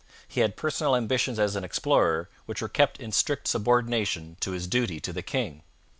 He had personal ambitions as an explorer, which were kept in strict subordination to his duty to the king.